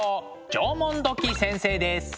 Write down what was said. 縄文土器先生です。